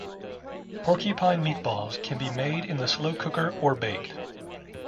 Porcupine meatballs can be made in the slow cooker or baked.